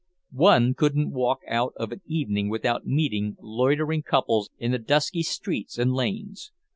One couldn't walk out of an evening without meeting loitering couples in the dusky streets and lanes.